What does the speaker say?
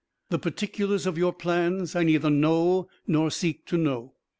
The particulars of your plans I neither know nor seek to know.